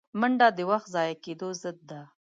منډه د وخت ضایع کېدو ضد ده